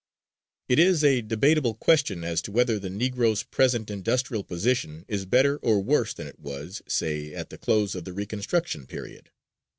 It is a debatable question as to whether the Negro's present industrial position is better or worse than it was, say, at the close of the Reconstruction period.